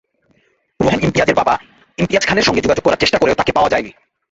রোহান ইমতিয়াজের বাবা ইমতিয়াজ খানের সঙ্গে যোগাযোগ করার চেষ্টা করেও তাঁকে পাওয়া যায়নি।